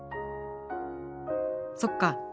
そっか。